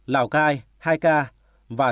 lào cai hai ca